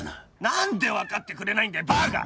何で分かってくれないんだよバカ！